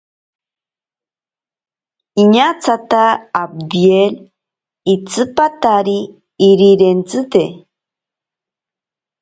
Iñatsata abdiel itsipatari irirentsite.